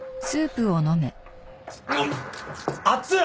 熱い！